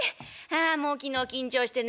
あもう昨日緊張してねえ